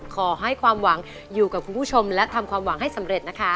ขอให้ความหวังอยู่กับคุณผู้ชมและทำความหวังให้สำเร็จนะคะ